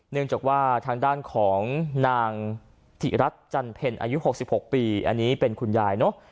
เนื่องจากว่าทางด้านของนางฐิรัติ์จันทร์เพลินอายุหกสิบหกปีอันนี้เป็นคุณยายเนอะ